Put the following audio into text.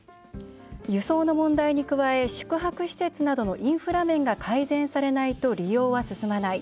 輸送の問題に加え宿泊施設などのインフラ面が改善されないと利用は進まない。